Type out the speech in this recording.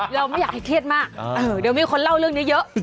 เราไม่อยากให้เครียดมากเดี๋ยวมีคนเล่าเรื่องนี้เยอะ